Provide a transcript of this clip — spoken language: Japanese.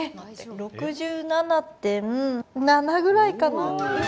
６７．７ぐらいかな。